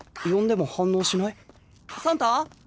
サンタ！